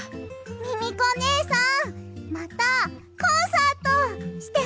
ミミコねえさんまたコンサートしてほしいな。